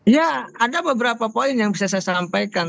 ya ada beberapa poin yang bisa saya sampaikan